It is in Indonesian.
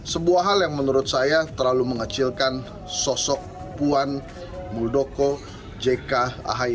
sebuah hal yang menurut saya terlalu mengecilkan sosok puan muldoko jk ahy